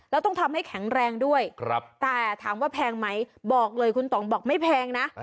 แล้วต้องทำให้แข็งแรงด้วยแต่ถามว่าแพงไหมบอกเลยคุณต่องบอกไม่แพงนะ